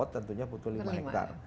tentunya butuh lima hektar